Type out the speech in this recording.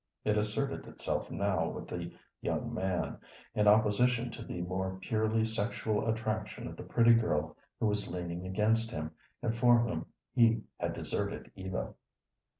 It asserted itself now with the young man, in opposition to the more purely sexual attraction of the pretty girl who was leaning against him, and for whom he had deserted Eva.